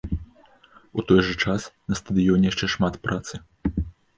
У той жа час, на стадыёне яшчэ шмат працы.